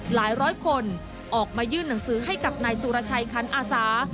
หลายร้อยคนออกมายื่นหนังสือให้กับนายสุรชัยคันอาสา